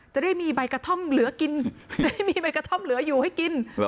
จะได้มีใบกระท่อมเหลือกินจะได้มีใบกระท่อมเหลืออยู่ให้กิน